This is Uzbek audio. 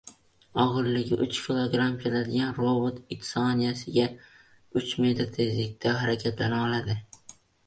Og‘irligi uch kilogramm keladigan robot-it soniyasiga uch metr tezlikda harakatlana oladi